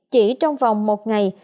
chỉ trong vòng một ngày